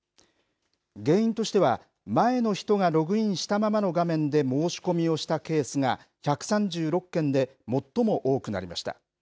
原因としては、前の人がログインしたままの画面で申し込みをしたケースが１３６件で、最も多くなりました。